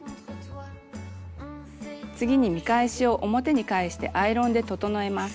次に見返しを表に返してアイロンで整えます。